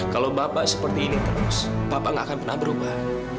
kalau bapak seperti ini terus bapak nggak akan pernah berubah